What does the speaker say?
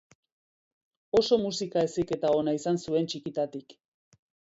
Oso musika-heziketa ona izan zuen txikitatik.